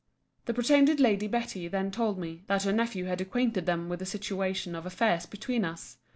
The pretended Lady Betty then told me, that her nephew had acquainted them with the situation of affairs between us.